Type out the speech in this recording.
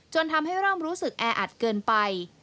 ทำให้เริ่มรู้สึกแออัดเกินไป